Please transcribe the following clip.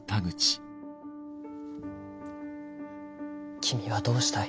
君はどうしたい？